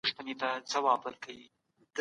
موږ نه باید د نورو مال وخورو.